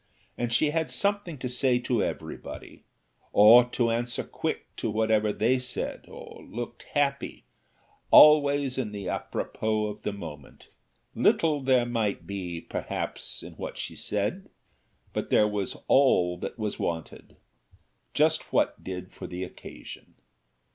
And she had something to say to everybody, or to answer quick to whatever they said or looked, happy always in the àpropos of the moment. Little there might be, perhaps, in what she said, but there was all that was wanted, just what did for the occasion.